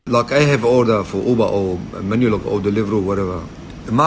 seperti saya memiliki pesan untuk uber atau deliveroo atau apa apa saja